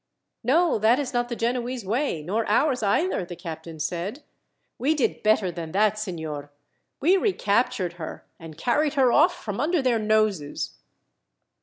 "No, that is not the Genoese way, nor ours either," the captain said. "We did better than that, signor. We recaptured her, and carried her off from under their noses."